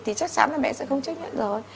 thì chắc chắn là mẹ sẽ không chấp nhận rồi